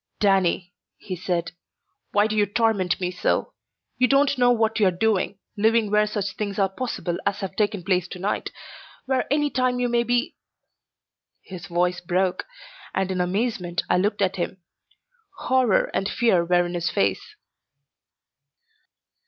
"Danny," he said, "why do you torment me so? You don't know what you're doing, living where such things are possible as have taken place tonight; where any time you may be " His voice broke, and in amazement I looked at him. Horror and fear were in his face.